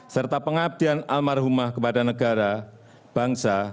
serta pengabdian almarhumah kepada negara bangsa